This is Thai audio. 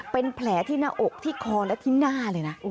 เป็นแผลที่หน้าอกที่คอและที่หน้าเลยนะ